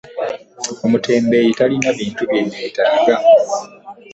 Omutembeeyi talina bintu bye nneetaaga.